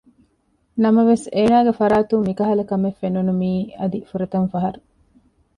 ނަމަވެސް އޭނަގެ ފަރާތުން މިކަހަލަ ކަމެއް ފެނުނު މީ އަދި ފުރަތަމަ ފަހަރު